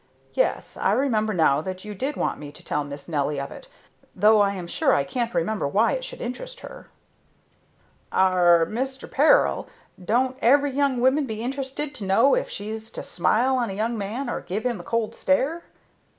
Yes, I remember now that you did want me to tell Miss Nelly of it, though I am sure I can't imagine why it should interest her." "Arrah, Mister Peril, don't every young woman be interested to know if she's to smile on a young man or give him the cold stare?"